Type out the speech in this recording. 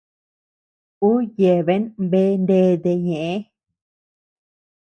Ú yeabean bea ndete ñeʼë.